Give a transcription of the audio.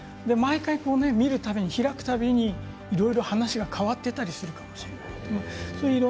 毎回見るたびに、開くたびにいろいろ話が変わっていったりするかもしれない。